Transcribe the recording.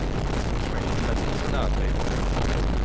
Ich möchte niemandem zu nahe treten.